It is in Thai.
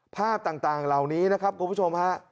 ภาพต่างเหล่านี้นะครับคุณผู้ชมฮะ